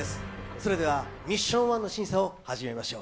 それではミッション１の審査を始めましょう。